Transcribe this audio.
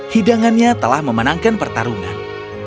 hidangannya telah memenangkan pertarungan